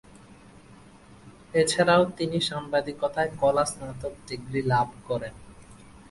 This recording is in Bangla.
এছাড়াও তিনি সাংবাদিকতায় কলা স্নাতক ডিগ্রি লাভ করেন।